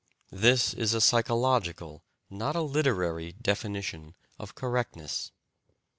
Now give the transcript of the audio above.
This is a psychological, not a literary, definition of "correctness."